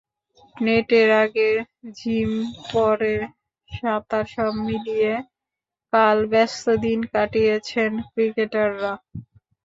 নেটের আগে জিম, পরে সাঁতার—সব মিলিয়ে কাল ব্যস্ত দিন কাটিয়েছেন ক্রিকেটাররা।